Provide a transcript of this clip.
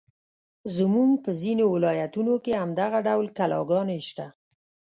زموږ په ځینو ولایتونو کې هم دغه ډول کلاګانې شته.